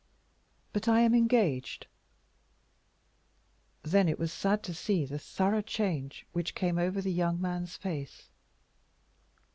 "But I am engaged." Then it was sad to see the thorough change which came over the young man's face.